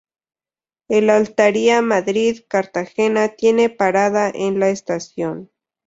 El Altaria Madrid-Cartagena tiene parada en la estación.